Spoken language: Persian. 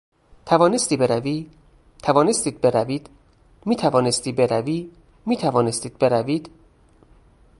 توانستی بروی؟ توانستید بروید؟ میتوانستی بروی؟ میتوانستید بروید؟